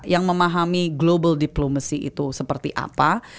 yang memahami global diplomacy itu seperti apa